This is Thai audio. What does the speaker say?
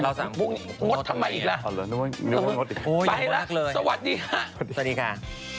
สามพรุ่งนี้งดทำไมอีกล่ะไปแล้วสวัสดีค่ะสวัสดีค่ะ